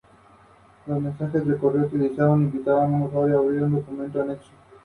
Presenta una vegetación de mosaico de bosque y sabana, aunque se encuentra muy degradada.